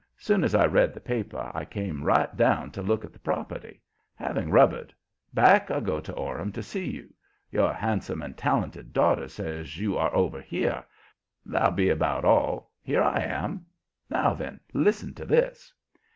Soon as I read the paper I came right down to look at the property. Having rubbered, back I go to Orham to see you. Your handsome and talented daughter says you are over here. That'll be about all here I am. Now, then, listen to this."